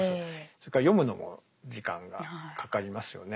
それから読むのも時間がかかりますよね。